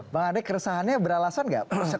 pak adek keresahannya beralasan nggak